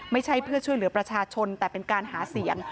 ไม่ใช่เพื่อช่วยเหลือประชาชนแต่เป็นการหาเสียง